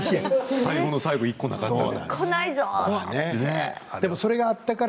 最後の最後に１個なかったら。